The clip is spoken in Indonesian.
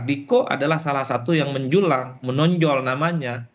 diko adalah salah satu yang menjulang menonjol namanya